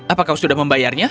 apa kau sudah membayarnya